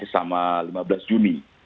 sama lima belas juni